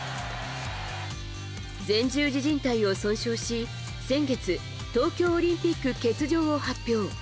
前十字じん帯を損傷し先月東京オリンピック欠場を発表。